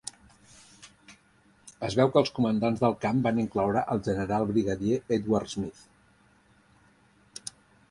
Es veu que els comandants del camp van incloure al general brigadier Edward Smith.